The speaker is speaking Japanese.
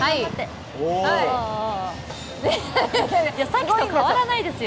さっきと変わらないですよ。